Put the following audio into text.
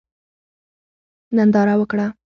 ننداره وکړه.